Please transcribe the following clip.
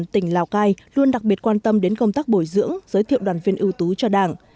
tỉnh lào cai luôn đặc biệt quan tâm đến công tác bồi dưỡng giới thiệu đoàn viên ưu tú cho đảng